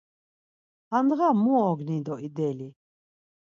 Handğa mu ogni do ideli?